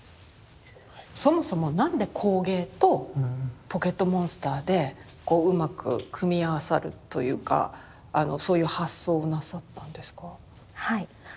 そもそも何で工芸とポケットモンスターでこううまく組み合わさるというかそういう発想をなさったんですか？